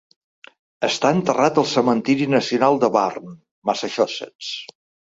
Està enterrat al cementiri nacional de Bourne, Massachusetts.